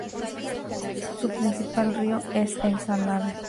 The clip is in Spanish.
Su principal río es el Salado.